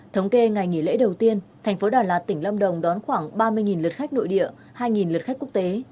thống kê ngày nghỉ lễ đầu tiên thành phố đà lạt tỉnh lâm đồng đón khoảng ba mươi lượt khách nội địa hai lượt khách quốc tế